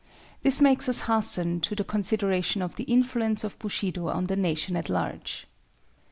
This makes us hasten to the consideration of THE INFLUENCE OF BUSHIDO on the nation at large.